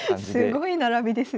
すごい並びですね。